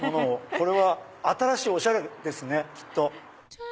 これは新しいおしゃれですねきっと。